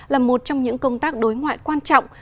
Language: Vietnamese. là một trong những công tác đối ngoại quan trọng